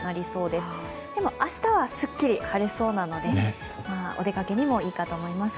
でも明日はすっきり晴れそうなので、お出かけにもいいかと思います